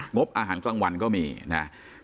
งบอาหารกลางวันก็มีนะครับ